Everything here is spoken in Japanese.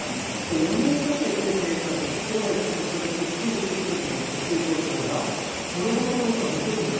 ４年かけて計画してしかも、それをきっちり集中力を持って遂行すればこれだけの気持ちができるんだ。